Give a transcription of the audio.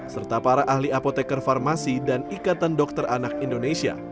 serta para ahli apotekar farmasi dan ikatan dokter anak indonesia